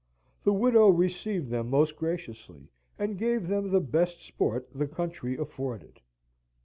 The widow received them most graciously, and gave them the best sport the country afforded.